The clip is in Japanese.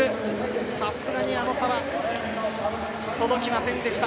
さすがにあの差は届きませんでした。